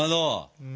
うん？